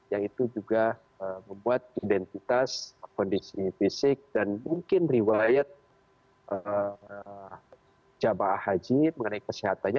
yang itu juga membuat identitas kondisi fisik dan mungkin riwayat jemaah haji mengenai kesehatannya